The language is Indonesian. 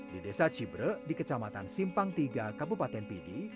di desa cibre di kecamatan simpang tiga kabupaten pidi